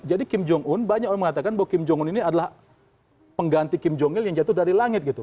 jadi kim jong un banyak orang mengatakan bahwa kim jong un ini adalah pengganti kim jong il yang jatuh dari langit gitu